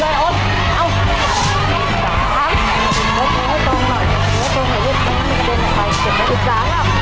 หัวเข้าเร็วเร็วหัวเข้า